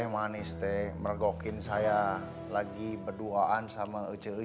mergokin saya lagi berduaan sama